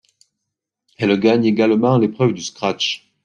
Elle gagne également l'épreuve du scratch.